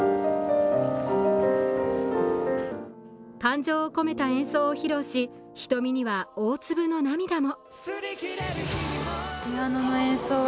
感情を込めた演奏を披露し瞳には大粒の涙も。